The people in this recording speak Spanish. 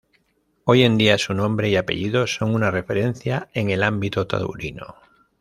Hoy en día su nombre y apellido son una referencia en el ámbito taurino.